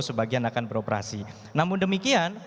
sebagian akan beroperasi namun demikian